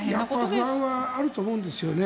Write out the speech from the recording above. やっぱり不安はあると思うんですよね。